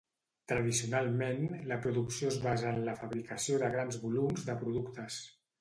Tradicionalment, la producció es basa en la fabricació de grans volums de productes.